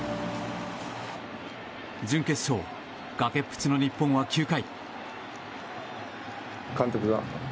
準決勝、崖っぷちの日本は９回。